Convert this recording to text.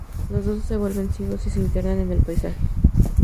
Los dos se vuelven ciegos y se internan en el paisaje.